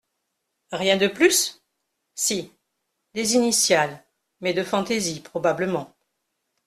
Rien de plus ? Si ; des initiales, mais de fantaisie, probablement.